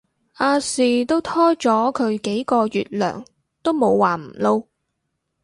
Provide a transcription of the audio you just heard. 亞視都拖咗佢幾個月糧都冇話唔撈